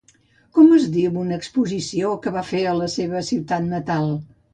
Com es va dir una exposició que va fer a la seva ciutat natal?